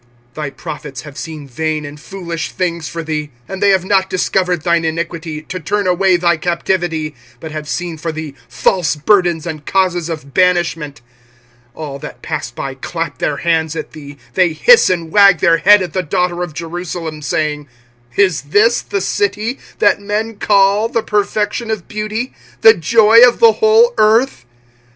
25:002:014 Thy prophets have seen vain and foolish things for thee: and they have not discovered thine iniquity, to turn away thy captivity; but have seen for thee false burdens and causes of banishment. 25:002:015 All that pass by clap their hands at thee; they hiss and wag their head at the daughter of Jerusalem, saying, Is this the city that men call The perfection of beauty, The joy of the whole earth?